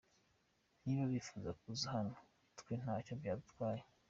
Niba bifuza kuza hano twe ntacyo byadutwaye.